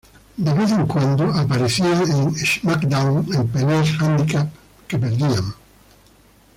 De vez en cuando aparecían en "Smackdown" en peleas Handicap que perdían.